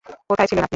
কোথায় ছিলেন আপনি?